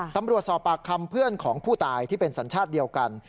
ตำรวจสอบปากคำเพื่อนของผู้ตายที่เป็นสัญชาติเดียวกัน